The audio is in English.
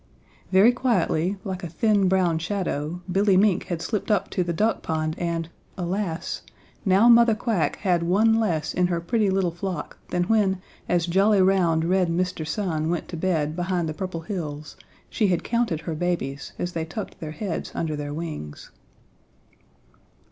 Very quietly, like a thin, brown shadow, Billy Mink had slipped up to the duck pond and alas! Now Mother Quack had one less in her pretty little flock than when as jolly, round, red Mr. Sun went to bed behind the Purple Hills, she had counted her babies as they tucked their heads under their wings.